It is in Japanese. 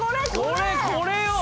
これこれよ！